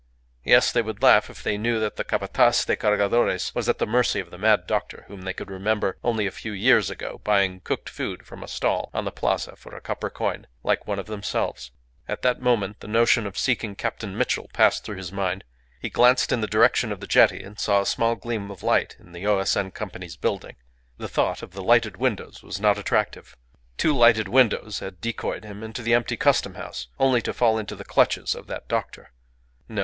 Yes, they would laugh if they knew that the Capataz de Cargadores was at the mercy of the mad doctor whom they could remember, only a few years ago, buying cooked food from a stall on the Plaza for a copper coin like one of themselves. At that moment the notion of seeking Captain Mitchell passed through his mind. He glanced in the direction of the jetty and saw a small gleam of light in the O.S.N. Company's building. The thought of lighted windows was not attractive. Two lighted windows had decoyed him into the empty Custom House, only to fall into the clutches of that doctor. No!